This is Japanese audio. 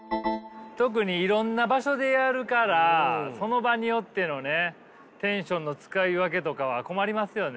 特にいろんな場所でやるからその場によってのねテンションの使い分けとかは困りますよね。